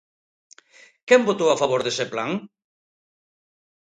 Quen votou a favor dese plan?